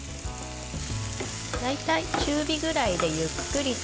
大体、中火ぐらいでゆっくりと。